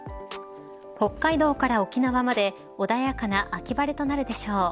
北海道から沖縄まで穏やかな秋晴れとなるでしょう。